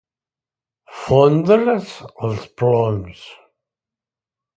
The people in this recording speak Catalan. Fondre's els ploms.